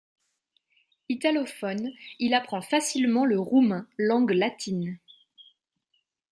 Italophone, il apprend facilement le roumain, langue latine.